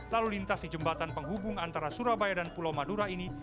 lalu lintas di jembatan penghubung antara surabaya dan pulau madura ini